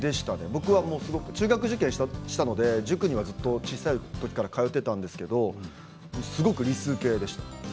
僕は中学受験したので塾にはずっと小さい時から通っていたんですけどすごく理数系でした。